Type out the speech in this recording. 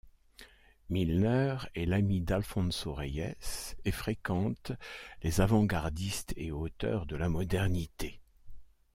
Milner est l'ami d'Alfonso Reyes et fréquente les avant-gardistes et auteurs de la modernité.